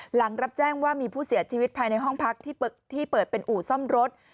หลังรับแจ้งว่ามีผู้เสียชีวิตภายในห้องพักที่เปิดเป็นอู่ซ่อมรถ